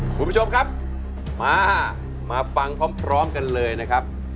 คุณผู้ชมครับมามาฟังพร้อมกันเลยนะครับ